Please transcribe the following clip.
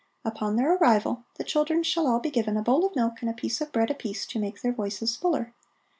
Upon their arrival the children shall all be given a bowl of milk and a piece of bread apiece to make their voices fuller.